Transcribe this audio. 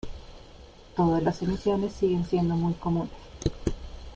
Todas las emisiones siguen siendo muy comunes.